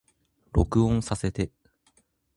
録音させて